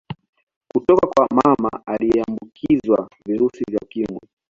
Kutoka kwa mama aliyeambukizwa virusi vya Ukimwi